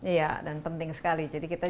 iya dan penting sekali jadi kita